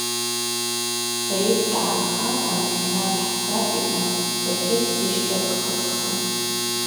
Сайыт дгӏанхапӏ, анахьанат хӏцапӏ, – йхӏватӏ Бакьыр сыщта дхъыцӏхын.